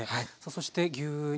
そして牛肉。